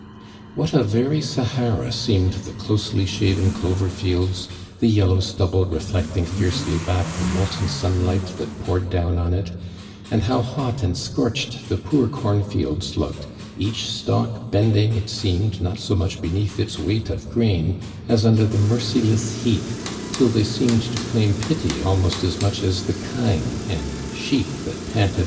What a very Sahara seemed the closely shaven clover fields, the yellow stubble re flecting fiercely back the molten sunlight that poured down on it, and how hot and scorched the poor corn fields lookel, each stalk bending, it seemed, not so much be neath its weight of grain, as under the merciless heat, till they seemed to claim pity almost as much as the kine anil sheep that panted